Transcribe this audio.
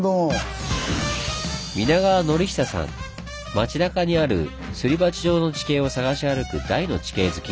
町なかにあるスリバチ状の地形を探し歩く大の地形好き。